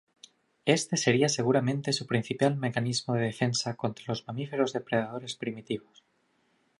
Este sería seguramente su principal mecanismo de defensa contra los mamíferos depredadores primitivos.